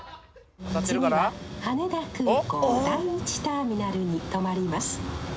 「次は羽田空港第１ターミナルに止まります」